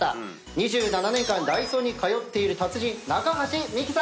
２７年間ダイソーに通っている達人中橋美輝さんです。